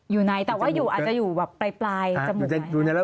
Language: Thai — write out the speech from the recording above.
อยู่ในแต่ว่าอยู่คืออาจจะอยู่ปลายจมูกหรือ